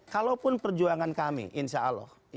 kalaupun perjuangan kami insya allah